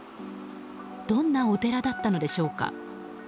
どんなお寺だったのでしょうか。